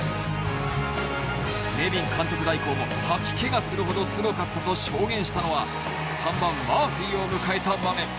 ネビン監督代行も吐き気がするほどすごかったと証言したのは３番・マーフィーを迎えた場面。